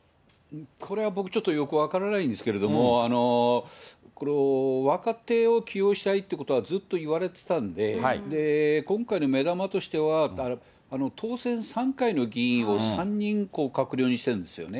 これは僕、ちょっとよく分からないんですけれども、これ、若手を起用したいってことは、ずっといわれてたんで、今回の目玉としては、当選３回の議員を３人閣僚にしてるんですよね。